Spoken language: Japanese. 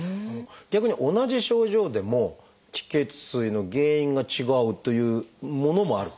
逆に同じ症状でも「気・血・水」の原因が違うというものもあるんですか？